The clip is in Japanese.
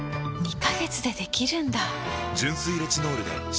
２カ月でできるんだ！